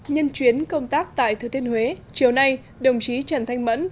nhân chuyến công tác tại thừa thiên huế chiều nay đồng chí trần thanh mẫn